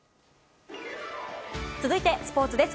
続いてスポーツです。